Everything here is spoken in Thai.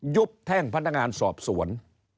ยุบแท่งพนักงานสอบสวน